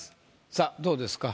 さあどうですか？